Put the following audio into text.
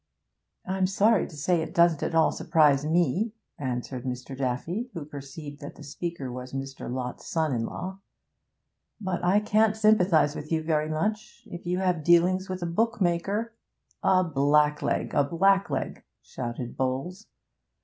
'I'm sorry to say it doesn't at all surprise me,' answered Mr. Daffy, who perceived that the speaker was Mr. Lott's son in law. 'But I can't sympathise with you very much. If you have dealings with a book maker ' 'A blackleg, a blackleg!' shouted Bowles.